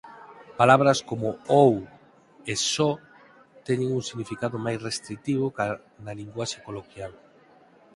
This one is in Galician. Palabras como "ou" e "só" teñen un significado máis restritivo ca na linguaxe coloquial.